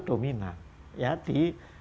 dominan ya di